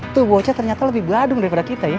tuh bocah ternyata lebih gadung daripada kita ya